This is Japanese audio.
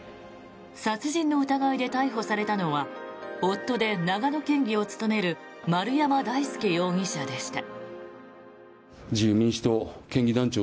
殺人の疑いで逮捕されたのは夫で、長野県議を務める丸山大輔容疑者でした。